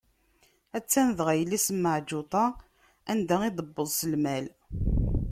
A-tt-an dɣa yelli-s Meɛǧuṭa anda i d-tewweḍ s lmal.